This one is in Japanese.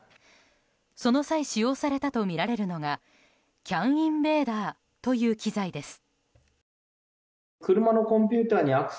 その際使用されたとみられるのがＣＡＮインベーダーという機材です。